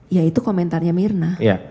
ya itu komentarnya mirna